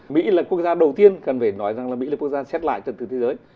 mỹ là quốc gia đầu tiên cần phải nói rằng là mỹ là quốc gia xét lại trật tự thế giới